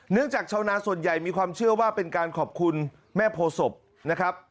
จากชาวนาส่วนใหญ่มีความเชื่อว่าเป็นการขอบคุณแม่โพศพนะครับ